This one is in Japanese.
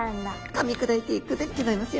かみ砕いていくでギョざいますよ。